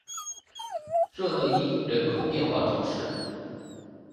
热讷伊人口变化图示